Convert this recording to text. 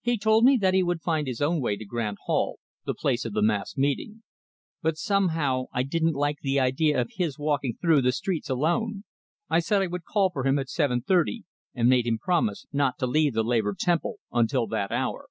He told me that he would find his own way to Grant Hall, the place of the mass meeting; but somehow, I didn't like the idea of his walking through the streets alone. I said I would call for him at seven thirty and made him promise not to leave the Labor Temple until that hour.